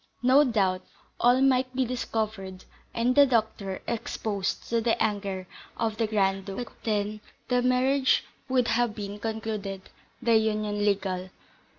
No doubt, all might be discovered, and the doctor exposed to the anger of the Grand Duke, but then the marriage would have been concluded, the union legal.